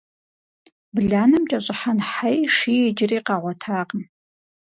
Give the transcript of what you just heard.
Бланэм кӀэщӀыхьэн хьэи шыи иджыри къэхъуатэкъым.